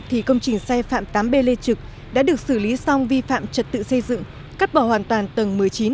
thì công trình xây phạm tám b lê trực đã được xử lý xong vi phạm trật tự xây dựng cắt bỏ hoàn toàn tầng một mươi chín